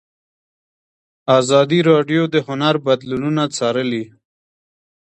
ازادي راډیو د هنر بدلونونه څارلي.